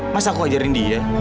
masa aku ajarin dia